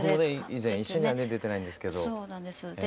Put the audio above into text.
以前一緒にはね出てないんですけど。